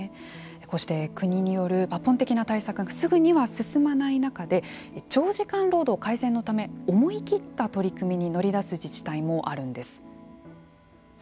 こうして国による抜本的な対策がすぐには進まない中で長時間労働改善のため思い切った取り組みに乗り出す自治体もあるんです。